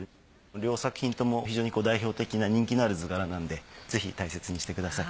両作品とも非常に代表的な人気のある図柄なのでぜひ大切にしてください。